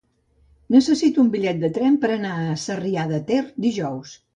Necessito un bitllet de tren per anar a Sarrià de Ter dijous.